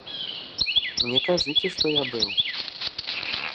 Не кажыце, што я быў.